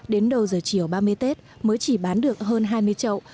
đến đầu giờ chiều ba mươi tết mới chỉ bán được hơn hai mươi trậu